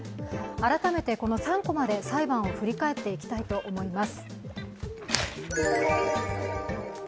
改めてこの３コマで裁判を振り返っていきたいと思います。